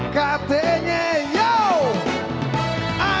ketinggalan zaman katanya